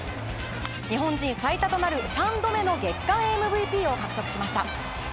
日本人最多となる、３度目の月間ＭＶＰを獲得しました。